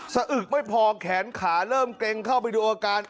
อึกไม่พอแขนขาเริ่มเกร็งเข้าไปดูอาการ